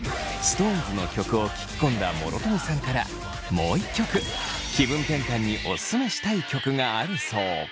ＳｉｘＴＯＮＥＳの曲を聴き込んだ諸富さんからもう一曲気分転換にオススメしたい曲があるそう。